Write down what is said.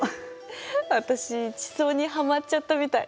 私地層にハマっちゃったみたい。